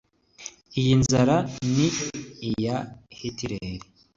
iyi nzara ni iya hitileri